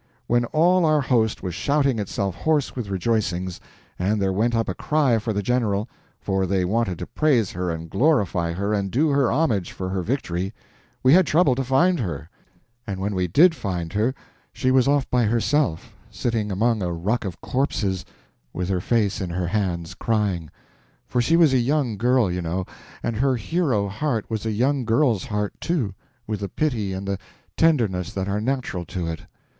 When all our host was shouting itself hoarse with rejoicings, and there went up a cry for the General, for they wanted to praise her and glorify her and do her homage for her victory, we had trouble to find her; and when we did find her, she was off by herself, sitting among a ruck of corpses, with her face in her hands, crying—for she was a young girl, you know, and her hero heart was a young girl's heart too, with the pity and the tenderness that are natural to it.